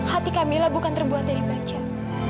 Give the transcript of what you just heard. hati kamila bukan terbuat dari becer